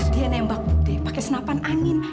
dia nembak putih pakai senapan angin